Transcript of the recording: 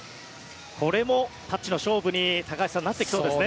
これもタッチの勝負になってきそうですね。